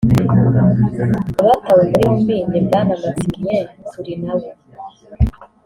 Abatawe muri yombi ni Bwana Maximilien Turinabo